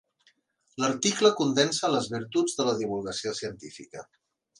L'article condensa les virtuts de la divulgació científica.